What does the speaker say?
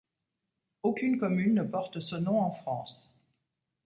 Aucune commune ne porte ce nom en France.